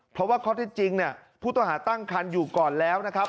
เพราะว่าข้อที่จริงเนี่ยผู้ต้องหาตั้งคันอยู่ก่อนแล้วนะครับ